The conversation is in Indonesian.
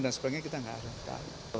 sebenarnya kita tidak ada